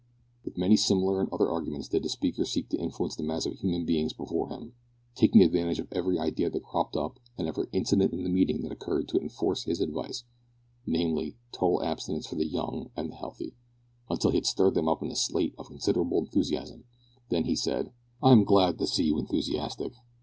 With many similar and other arguments did the speaker seek to influence the mass of human beings before him, taking advantage of every idea that cropped up and every incident in the meeting that occurred to enforce his advice namely, total abstinence for the young and the healthy until he had stirred them up to a state of considerable enthusiasm. Then he said: "I am glad to see you enthusiastic.